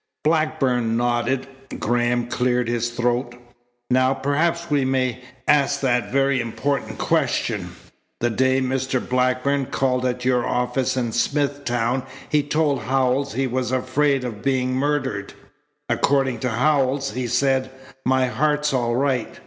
Blackburn nodded. Graham cleared his throat. "Now perhaps we may ask that very important question. The day Mr. Blackburn called at your office in Smithtown he told Howells he was afraid of being murdered. According to Howells, he said: 'My heart's all right.